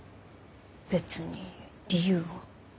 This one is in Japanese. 別に理由は。